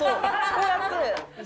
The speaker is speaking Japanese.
こうやって。